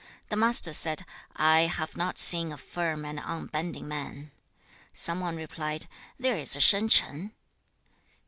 The Master said, 'I have not seen a firm and unbending man.' Some one replied, 'There is Shan Ch'ang.'